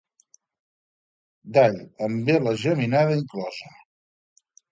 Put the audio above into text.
D'all, amb ela geminada inclosa.